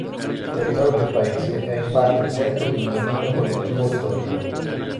Il territorio del paese è in parte oggetto di un dominio collettivo storico.